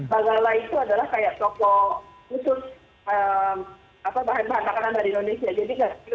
magala itu adalah kayak toko khusus bahan bahan makanan dari indonesia